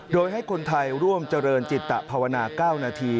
โดยให้คนไทยร่วมเจริญจิตภาวนา๙นาที